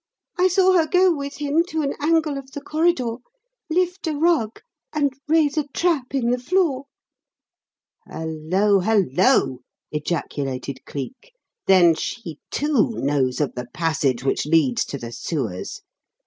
I saw her go with him to an angle of the corridor, lift a rug, and raise a trap in the floor." "Hullo! Hullo!" ejaculated Cleek. "Then she, too; knows of the passage which leads to the sewers.